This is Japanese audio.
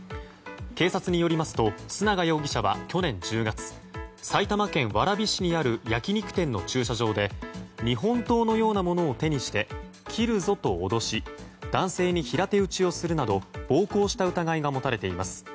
警察によりますと須永容疑者は去年１０月埼玉県蕨市にある焼き肉店の駐車場で日本刀のようなものを手にして切るぞと脅し男性に平手打ちをするなど暴行した疑いが持たれています。